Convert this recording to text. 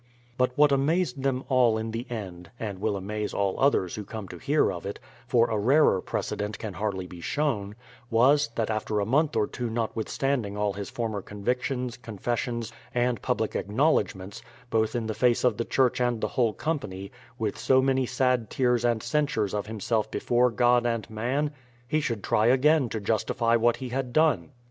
But what amazed them all in the end, and will amaze all others who come to hear of it, — for a rarer precedent can hardly be shown, — was, that after a month or two notwithstanding all his former convictions, confessions, and public acknowledgments, both in the face of the church and the whole company, with so many sad tears and cen sures of himself before God and man, he should try again to justify what he had done.